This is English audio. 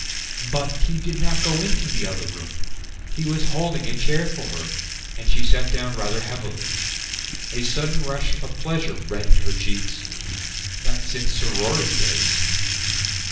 But he did not go into the other room! He was holding a chair for her, and she sat down rather heavily. A sudden rush of pleasure reddened her cheeks. _Not since sorority days